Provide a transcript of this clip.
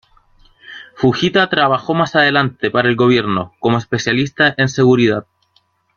Fujita trabajó más adelante para el Gobierno como especialista en seguridad.